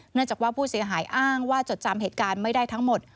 เนื่องจากว่าผู้เสียหายอ้างว่าจดจำเหตุการณ์ไม่ได้ทั้งหมด